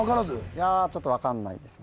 いやちょっと分かんないですね